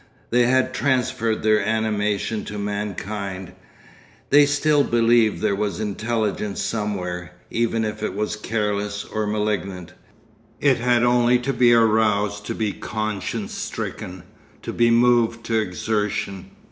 They had transferred their animation to mankind. They still believed there was intelligence somewhere, even if it was careless or malignant.... It had only to be aroused to be conscience stricken, to be moved to exertion....